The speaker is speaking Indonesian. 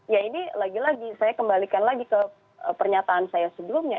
ya ini lagi lagi saya kembalikan lagi ke pernyataan saya sebelumnya